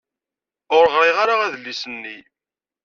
Ur ɣrin ara adlis-nni.